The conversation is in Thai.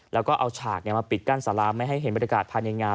แล้วก็เอาฉากมาปิดกั้นสาราไม่ให้เห็นบรรยากาศภายในงาน